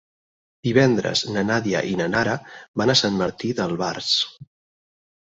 Divendres na Nàdia i na Nara van a Sant Martí d'Albars.